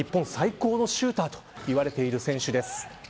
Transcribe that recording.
日本最高のシューターといわれている選手です。